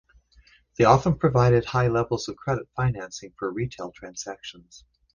They often provided high levels of credit financing for retail transactions.